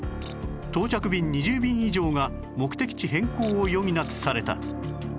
到着便２０便以上が目的地変更を余儀なくされた